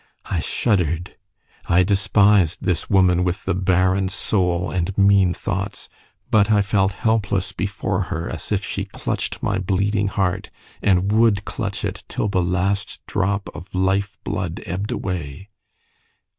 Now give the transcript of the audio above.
I shuddered I despised this woman with the barren soul and mean thoughts; but I felt helpless before her, as if she clutched my bleeding heart, and would clutch it till the last drop of life blood ebbed away.